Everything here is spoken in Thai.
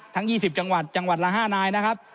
๒๐จังหวัดจังหวัดละ๕นายนะครับ